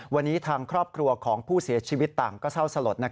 วันนี้ทางครอบครัวของผู้เสียชีวิตต่างก็เศร้าสลด